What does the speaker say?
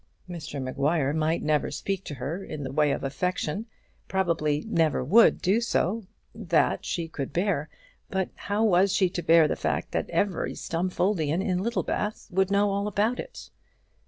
Mr Maguire might never speak to her in the way of affection, probably never would do so; that she could bear; but how was she to bear the fact that every Stumfoldian in Littlebath would know all about it?